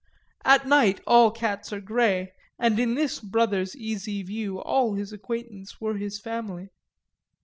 At night all cats are grey, and in this brother's easy view all his acquaintance were his family.